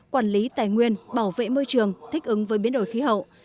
quản lý tài nguyên bảo vệ môi trường thích ứng với biến đổi khí hậu